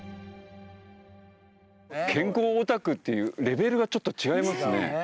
健康オタクっていうレベルがちょっと違いますね。